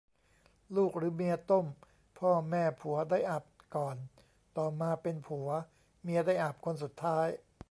ลูกหรือเมียต้ม พ่อแม่ผัวได้อาบก่อน ต่อมาเป็นผัว เมียได้อาบคนสุดท้าย